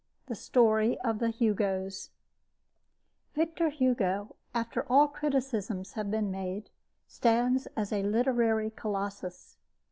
THE STORY OF THE HUGOS Victor Hugo, after all criticisms have been made, stands as a literary colossus.